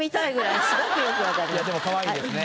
いやでもかわいいですね。